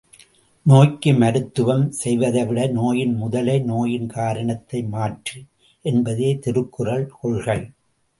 நோய்க்கு மருத்துவம் செய்வதை விட நோயின் முதலை நோயின் காரணத்தை மாற்று! என்பதே திருக்குறள் கொள்கை.